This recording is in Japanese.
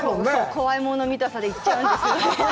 怖いもの見たさで行っちゃうんですよね。